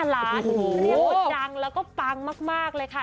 เรียกว่าดังแล้วก็ปังมากเลยค่ะ